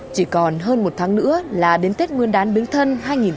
chỉ còn hơn một tháng nữa là đến tết nguyên đán bình thân hai nghìn một mươi sáu